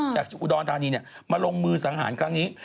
จากอุดรธานีมาลงมือสังหารครั้งนี้